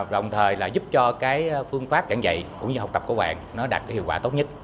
đồng thời giúp cho phương pháp giảng dạy cũng như học tập của quản đạt hiệu quả tốt nhất